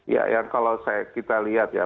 ya yang kalau kita lihat ya